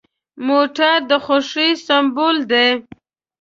موټر د خوښۍ سمبول دی.